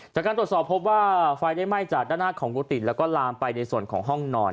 จากการตรวจสอบพบว่าไฟได้ไหม้จากด้านหน้าของกุฏิแล้วก็ลามไปในส่วนของห้องนอน